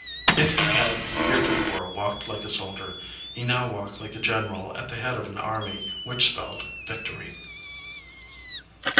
If he had here tofore walked like a soldier, he now walked like a general at the head of an army which spelled victory.